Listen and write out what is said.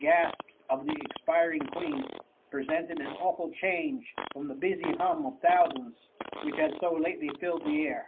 gasps of the expiring Queen, presented an awful change from the busy hum of thousands which had so lately filled the air.